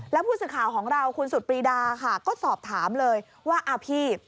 แล้วผู้สื่อข่าวของเราคุณสุดปรีดาค่ะก็สอบถามเลยว่าอ้าวพี่